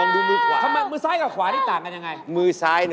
อันนี้ดีเลย